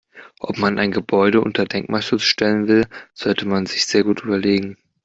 Ob man ein Gebäude unter Denkmalschutz stellen will, sollte man sich sehr gut überlegen.